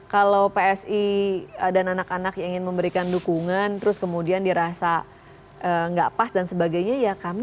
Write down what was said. kalau psi dan anak anak yang ingin memberikan dukungan terus kemudian dirasa nggak pas dan sebagainya ya kami